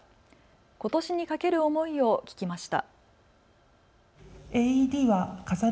ことしにかける思いを聞きました。